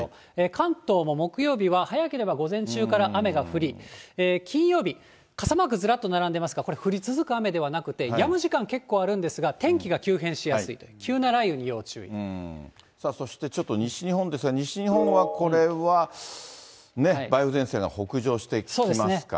関東も木曜日は、早ければ午前中から雨が降り、金曜日、傘マークずらっと並んでますが、これ降り続く雨ではなくて、やむ時間結構あるんですが、天気が急変しやすいと、急な雷雨に要そしてちょっと西日本ですが、西日本はこれは、梅雨前線が北上してきますから。